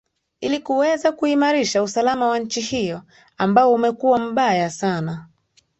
ili kuweza kuimarisha usalama wa nchi hiyo ambao umekuwa mbaya sana